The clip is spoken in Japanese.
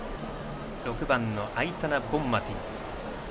６番アイタナ・ボンマティ。